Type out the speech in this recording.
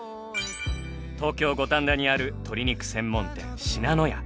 東京五反田にある鶏肉専門店信濃屋。